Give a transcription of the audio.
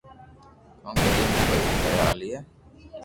ڪونڪہ ايم ڪوم ڪوئي ھالئي